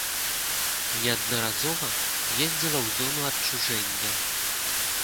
Неаднаразова ездзіла ў зону адчужэння.